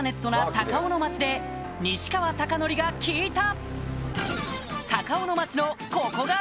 高尾野町で西川貴教が聞いた！